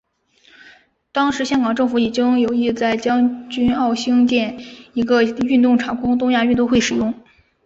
当时香港政府已经有意在将军澳兴建一个运动场供东亚运动会使用。